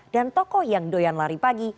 dan tokoh yang doyan lari pagi